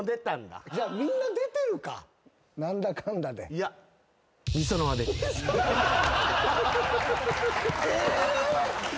いや。え！